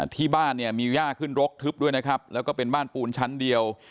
ที่บ้านเนี่ยมีย่าขึ้นรกทึบด้วยนะครับแล้วก็เป็นบ้านปูนชั้นเดียว